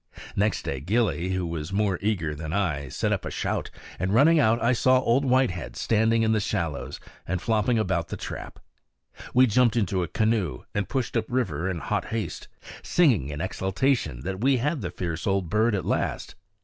Next day Gillie, who was more eager than I, set up a shout; and running out I saw Old Whitehead standing in the shallows and flopping about the trap. We jumped into a canoe and pushed up river in hot haste, singing in exultation that we had the fierce old bird at last.